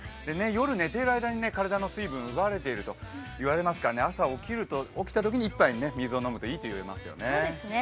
夜、寝ている間に体の水分が奪われているといわれますから朝起きたときに１杯水を飲むといいということですね。